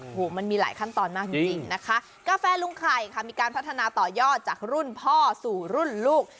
โอ้โหมันมีหลายขั้นตอนมากจริงจริงนะคะกาแฟลุงไข่ค่ะมีการพัฒนาต่อยอดจากรุ่นพ่อสู่รุ่นลูก